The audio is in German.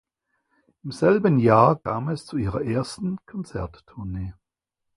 Im selben Jahr kam es zu ihrer ersten Konzerttournee.